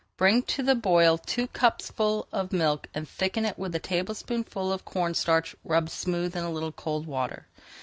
Bring to the boil two cupfuls of milk and thicken it with a tablespoonful of corn starch rubbed smooth in a little cold water.